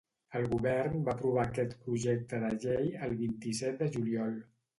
El govern va aprovar aquest projecte de llei el vint-i-set de juliol.